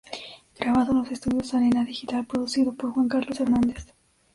Grabado en los estudios Arena Digital, producido por Juan Carlos Hernández.